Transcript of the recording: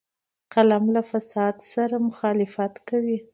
قلم له فساد سره مخالفت کوي